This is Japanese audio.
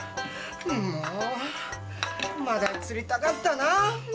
んもう真鯛釣りたかったな！